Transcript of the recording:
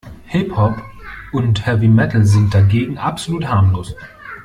Hip-Hop und Heavy Metal sind dagegen absolut harmlos.